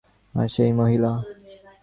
আর সেই মহিলা?